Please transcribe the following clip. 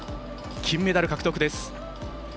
金メダル獲得です。